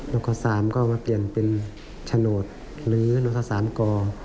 รักษาสามก็มาเปลี่ยนเป็นชนดหรือรักษาสามกอ